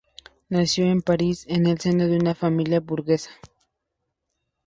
Nació en París, en el seno de una familia burguesa.